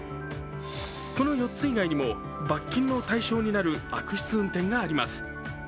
この４つ以外にも罰金の対象になる悪質運転があります。